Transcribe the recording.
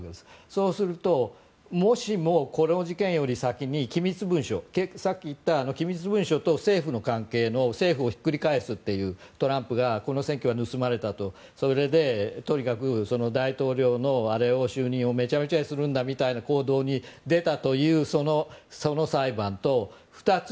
そうするともしも、この事件より先に機密文書、さっき言った機密文書と政府の関係の政府をひっくり返すというトランプがこの選挙は盗まれたとそれでとにかく大統領の就任をめちゃめちゃにするんだという行動に出たというその裁判と２つ